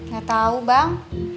ga tau bang